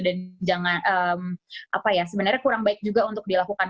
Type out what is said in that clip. dan sebenarnya kurang baik juga untuk dilakukan